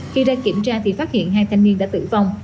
khi ra kiểm tra thì phát hiện hai thanh niên đã tử vong